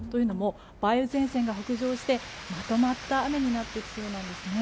梅雨前線が北上してまとまった雨になってきそうなんですね。